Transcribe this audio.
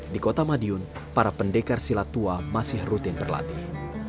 di kota madiun para pendekar silat tua masih rutin berlatih